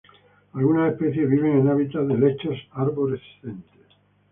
Algunas especies viven en hábitats de helechos arborescentes.